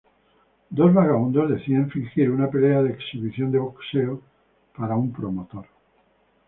Dos vagabundos deciden fingir una pelea de exhibición de boxeo para un promotor.